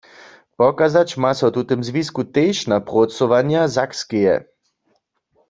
Pokazać ma so w tutym zwisku tež na prócowanja Sakskeje.